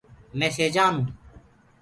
مي سيجآن هونٚ۔